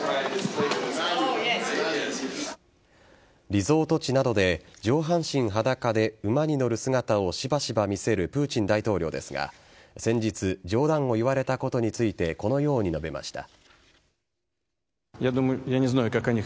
リゾート地などで上半身裸で馬に乗る姿をしばしば見せるプーチン大統領ですが先日冗談を言われたことについてこのように述べました。